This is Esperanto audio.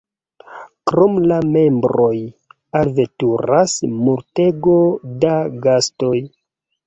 Krom la membroj alveturas multego da gastoj.